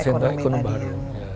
sentra ekonomi baru